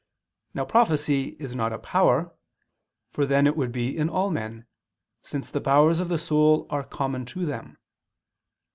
Now prophecy is not a power, for then it would be in all men, since the powers of the soul are common to them.